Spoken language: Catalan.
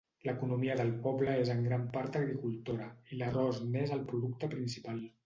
L'economia del poble és en gran part agricultora, i l'arròs n'és el producte principal.